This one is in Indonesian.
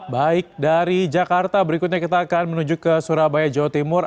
baik dari jakarta berikutnya kita akan menuju ke surabaya jawa timur